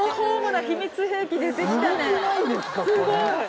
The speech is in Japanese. すごい！